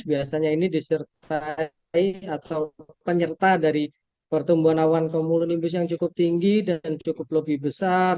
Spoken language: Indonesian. biasanya ini disertai atau penyerta dari pertumbuhan awan komulonimbus yang cukup tinggi dan cukup lebih besar